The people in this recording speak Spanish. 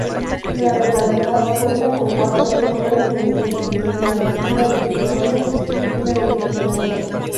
La localidad cuenta con cuatro escuelas de nivel inicial, una de primaria, una secundaria.